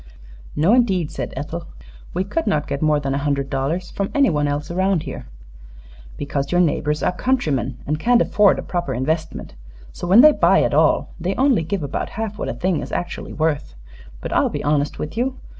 "No, indeed," said Ethel. "We could not get more than a hundred dollars from anyone else around here." "Because your neighbors are countrymen, and can't afford a proper investment. So when they buy at all they only give about half what a thing is actually worth. But I'll be honest with you.